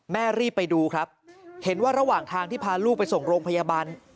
รีบไปดูครับเห็นว่าระหว่างทางที่พาลูกไปส่งโรงพยาบาล